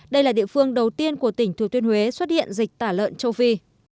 đây là địa phương đầu tiên của tỉnh thừa tuyên huế xuất hiện dịch tả lợn châu phi